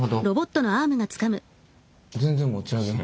全然持ち上げへん。